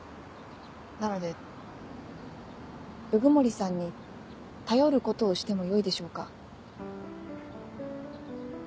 なので鵜久森さんに頼ることをしてもよいでしょうか？